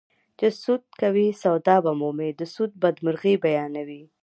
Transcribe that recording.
چې سود کوې سودا به مومې د سود بدمرغي بیانوي